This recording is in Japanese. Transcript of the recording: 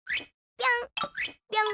ぴょん。